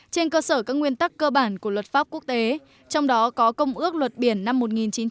trên cơ sở các nguyên tắc cơ bản của luật pháp quốc tế trong đó có công ước luật biển năm một nghìn chín trăm tám mươi hai